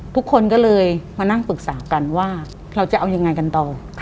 ทุกคนก็เลยมานั่งปรึกษากันว่าเราจะเอายังไงกันต่อ